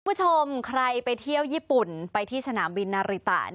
คุณผู้ชมใครไปเที่ยวญี่ปุ่นไปที่สนามบินนาริตะ